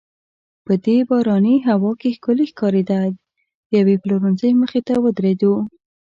په دې باراني هوا کې ښکلې ښکارېده، د یوې پلورنځۍ مخې ته ودریدو.